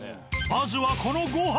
まずはこのご飯。